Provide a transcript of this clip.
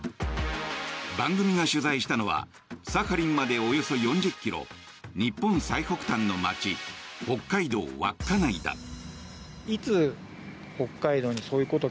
番組が取材したのはサハリンまでおよそ４０ｋｍ日本最北端の街北海道稚内だ。